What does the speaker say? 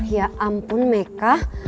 ya ampun meka